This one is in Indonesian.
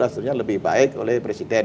sebenarnya lebih baik oleh presiden